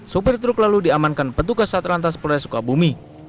sopir truk lalu diamankan petugas satelantas perayaan sukabumi